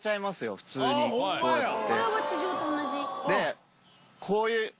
でこういう。